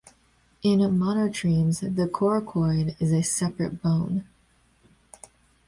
In monotremes, the coracoid is a separate bone.